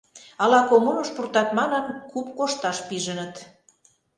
Ала коммуныш пуртат», — манын, куп кошташ пижыныт.